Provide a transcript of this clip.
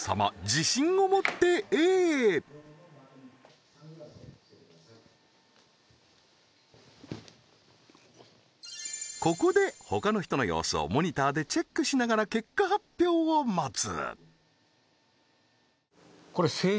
自信を持ってＡへここでほかの人の様子をモニターでチェックしながら結果発表を待つ